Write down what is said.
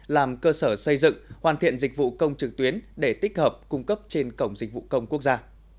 làm cơ sở xây dựng hoàn thiện dịch vụ công trực tuyến để tích hợp cung cấp trên cổng dịch vụ công quốc gia